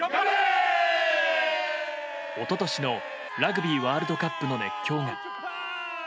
一昨年のラグビーワールドカップの熱狂が。